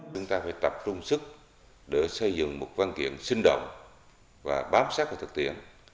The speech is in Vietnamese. chúng ta phải tập trung sức để xây dựng một văn kiện sinh động và bám sát vào thực tiễn